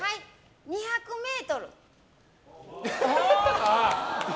２００ｍ。